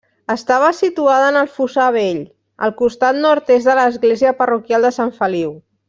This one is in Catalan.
Estava situada en el fossar vell, al costat nord-est de l'església parroquial de Sant Feliu.